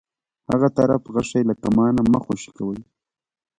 هغه طرف غشی له کمانه مه خوشی کوئ.